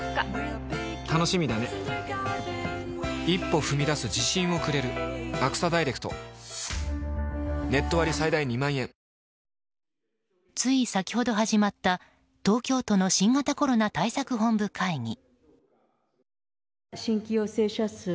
「ほんだし」でつい先ほど始まった東京都の新型コロナ対策本部会議。